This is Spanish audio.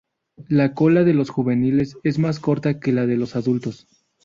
La cola de los juveniles es más corta que la de los adultos.